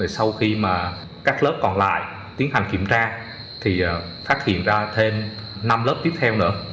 sau khi các lớp còn lại tiến hành kiểm tra thì phát hiện ra thêm năm lớp tiếp theo nữa